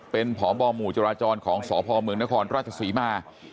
เป็นพบหมู่จราจรของสพเมืองนครราชศรีมา